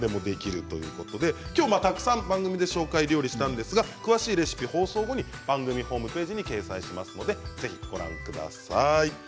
きょうたくさん番組で料理を紹介したんですが詳しいレシピは放送後番組のホームページに掲載しますのでぜひご覧ください。